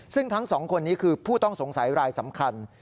ซึ่งทั้งสองคนนี้คือผู้ต้องสงสัยรายสำคัญ